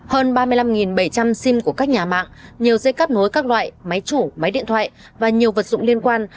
hơn ba mươi năm bảy trăm linh sim của các nhà mạng nhiều dây cắt nối các loại máy chủ máy điện thoại và nhiều vật dụng liên quan